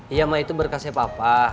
iya ma itu berkasnya papa